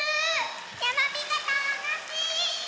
やまびこたのしい！